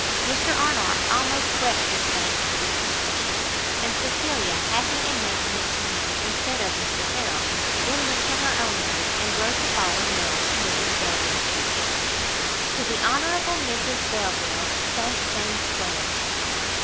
Mr Arnott almost wept his thanks for this concession, and Cecilia, happy in making it to him instead of Mr Harrel, then went to her own room, and wrote the following letter to Mrs Delvile. To the Hon. Mrs Delvile, St James's square.